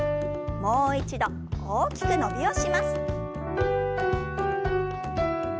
もう一度大きく伸びをします。